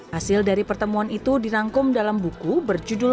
hasil dari pertemuan itu dirangkum dalam buku berjudul